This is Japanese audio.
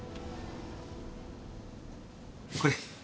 これ。